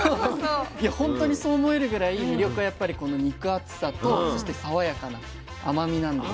いや本当にそう思えるぐらい魅力はやっぱりこの肉厚さと爽やかな甘みなんですよね。